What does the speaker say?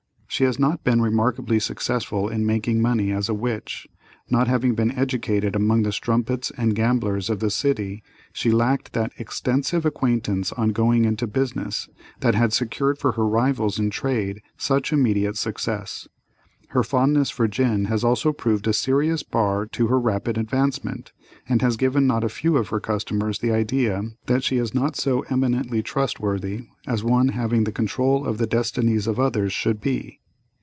She has not been remarkably successful in making money, as a witch; not having been educated among the strumpets and gamblers of the city she lacked that extensive acquaintance on going into business, that had secured for her rivals in trade such immediate success. Her fondness for gin has also proved a serious bar to her rapid advancement, and has given not a few of her customers the idea that she is not so eminently trustworthy as one having the control of the destinies of others should be.